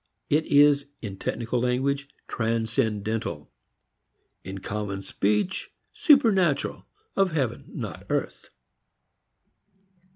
It is in technical language, transcendental; in common speech, supernatural, of heaven not of earth.